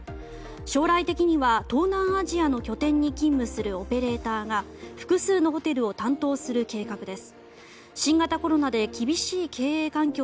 将来的には東南アジアの拠点に勤務するオペレーターが複数のホテルを担当する計画です。